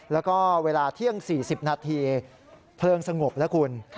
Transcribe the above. แล้วก็เวลาเที่ยง๔๐นาทีเพลิงสงบแล้วคุณ